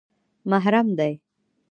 _محرم دي؟